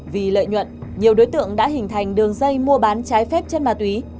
vì lợi nhuận nhiều đối tượng đã hình thành đường dây mua bán trái phép trên mà túy